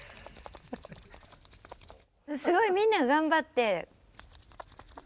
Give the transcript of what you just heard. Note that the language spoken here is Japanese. すごいみんな頑張って。